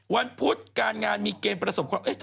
วันพุธการงานมีเกณฑ์ประสบความสำเร็จ